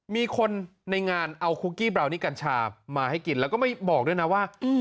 มีคนในงานเอาคุกกี้บราวนี้กัญชามาให้กินแล้วก็ไม่บอกด้วยนะว่า